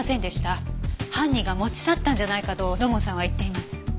犯人が持ち去ったんじゃないかと土門さんは言っています。